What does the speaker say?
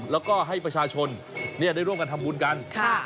แล้วก็ให้ประชาชนได้ร่วมกันทำบุญกัน